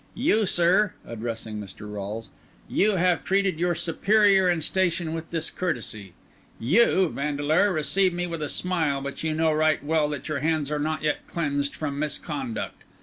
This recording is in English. You, sir," addressing Mr. Rolles, "you have treated your superior in station with discourtesy; you, Vandeleur, receive me with a smile, but you know right well that your hands are not yet cleansed from misconduct.